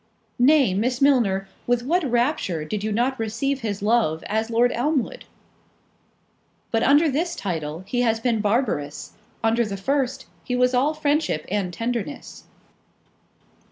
"Nay, Miss Milner, with what rapture did you not receive his love, as Lord Elmwood!" "But under this title he has been barbarous; under the first, he was all friendship and tenderness."